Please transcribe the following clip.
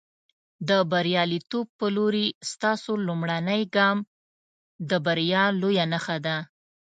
د برياليتوب په لورې، ستاسو لومړنی ګام د بریا لویه نښه ده.